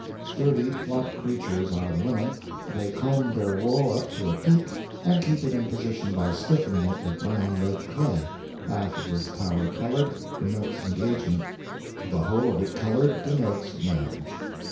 Sturdy plump creatures are the women. They comb their wool up to a peak and keep it in position by stiffening it with brown red clay half of this tower colored, denotes engagement; the whole of it colored denotes marriage.